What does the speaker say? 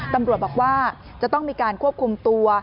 ตำรวจบอกว่าจะต้องมีการควบคุมตัว